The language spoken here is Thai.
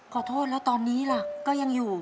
ขอโทษแล้วตอนนี้ล่ะก็ยังอยู่